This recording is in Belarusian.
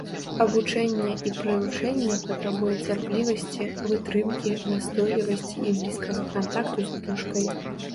Абучэнне і прыручэнне патрабуе цярплівасці, вытрымкі, настойлівасці і блізкага кантакту з птушкай.